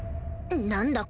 何だ？